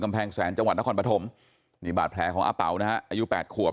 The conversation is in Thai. แพงแสนจังหวัดนครปฐมนี่บาดแผลของอาเป๋านะฮะอายุ๘ขวบ